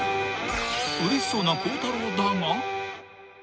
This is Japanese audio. ［うれしそうな孝太郎だが］